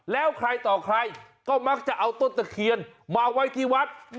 แล้วใครต่อใครก็มักจะเอาต้นตะเคียนมาไว้ที่วัด